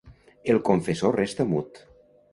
El confessor resta mut.